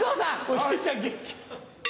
おじいちゃん元気。